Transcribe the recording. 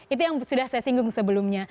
itu yang sudah saya singgung sebelumnya